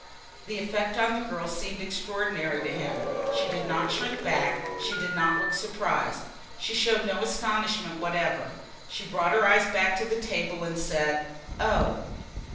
The effect on the girl seemed extraordinary to him. She did not shrink back, she did not look surprised. She showed no astonishment whatever. She just brought her eyes back to the table and said: "Oh!"